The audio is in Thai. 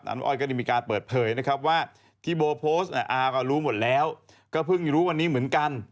อ้อยก็ได้มีการเปิดเผยนะครับว่าที่โบโพสต์อาก็รู้หมดแล้วก็เพิ่งรู้วันนี้เหมือนกัน